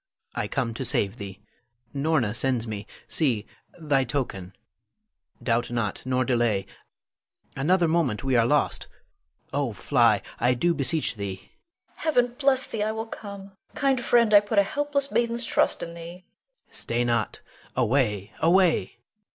I come to save thee. Norna sends me, see, thy token; doubt not, nor delay; another moment, we are lost. Oh, fly, I do beseech thee! Leonore. Heaven bless thee; I will come. Kind friend, I put a helpless maiden's trust in thee. Adrian. Stay not! away, away!